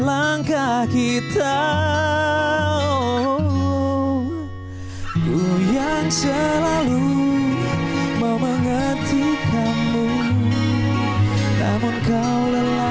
langkah kita oh yang selalu mau mengerti kamu namun kau